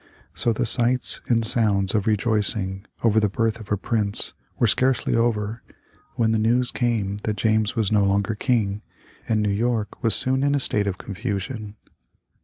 So the sights and sounds of rejoicing over the birth of a prince were scarcely over, when the news came that James was no longer King, and New York was soon in a state of confusion.